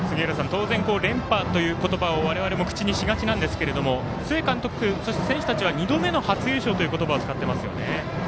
当然、連覇という言葉を我々も口にしがちなんですけど須江監督、選手たちは２度目の初優勝という言葉を使ってますよね。